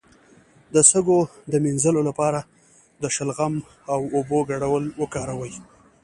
د سږو د مینځلو لپاره د شلغم او اوبو ګډول وکاروئ